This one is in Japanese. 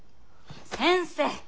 先生